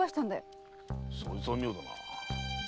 そいつは妙だな。